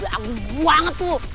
anggung banget tuh